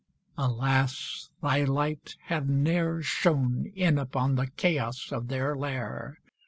Alas, thy light had ne'er Shone in upon the chaos of their lair!